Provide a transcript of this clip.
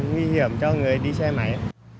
nguy hiểm cho người đi xe máy